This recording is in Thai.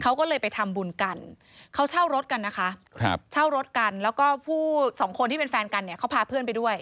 เขาก็เลยไปทำบุญกันเขาเช่ารถกันนะคะเช่ารถกันแล้วก็ผู้สองคนที่เป็นแฟนกันเนี่ยเขาพาเพื่อนไปด้วย